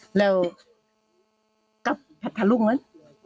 อ่าแล้วกรับพัทธลุงมั้น